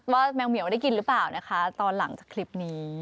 แมวเหมียวได้กินหรือเปล่านะคะตอนหลังจากคลิปนี้